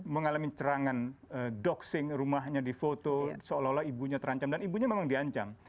mengalami cerangan doxing rumahnya di foto seolah olah ibunya terancam dan ibunya memang diancam